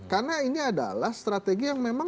karena ini adalah strategi yang memang